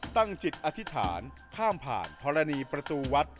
ตั้งจิตอธิษฐานข้ามผ่านธรณีประตูวัด